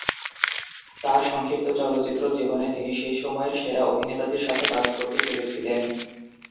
তাঁর সংক্ষিপ্ত চলচ্চিত্র জীবনে, তিনি সেই সময়ের সেরা অভিনেতাদের সাথে কাজ করতে পেরেছিলেন।